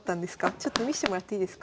ちょっと見してもらっていいですか？